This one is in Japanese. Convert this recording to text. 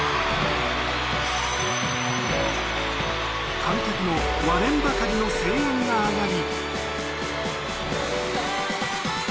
観客の割れんばかりの声援が上がり